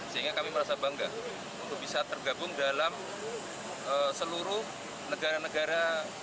sehingga kami merasa bangga untuk bisa tergabung dalam seluruh negara negara